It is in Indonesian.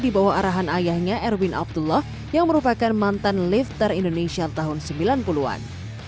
di bawah arahan ayahnya erwin abdullah yang merupakan mantan lifter indonesia tahun sembilan puluh an